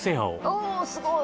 おおすごい！